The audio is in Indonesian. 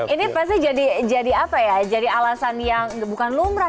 ini pasti jadi alasan yang bukan lumrah